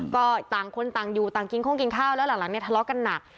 ก็ต่างคนต่างอยู่ต่างกินโค้งกินข้าวแล้วหลังเนี่ยทะเลาะกันหนัก